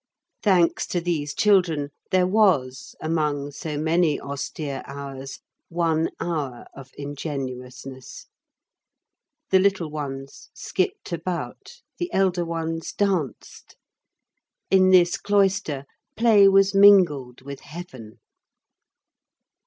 Thanks to these children, there was, among so many austere hours, one hour of ingenuousness. The little ones skipped about; the elder ones danced. In this cloister play was mingled with heaven.